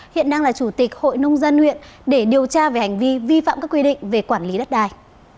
hiện đang là chủ tịch hội nông dân huyện để điều tra về hành vi vi phạm các quy định về quản lý đất đài